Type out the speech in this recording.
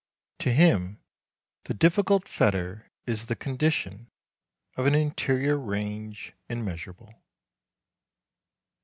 To him the difficult fetter is the condition of an interior range immeasurable.